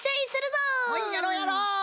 ほいやろうやろう！